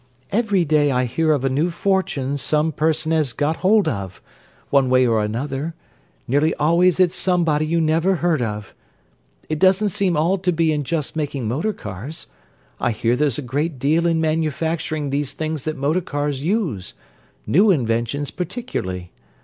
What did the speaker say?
"Every day I hear of a new fortune some person has got hold of, one way or another—nearly always it's somebody you never heard of. It doesn't seem all to be in just making motor cars; I hear there's a great deal in manufacturing these things that motor cars use—new inventions particularly.